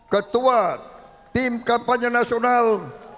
ketua tim kampanye nasional